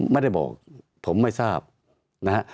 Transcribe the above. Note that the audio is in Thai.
ไม่ได้บอกผมไม่ทราบนะฮะ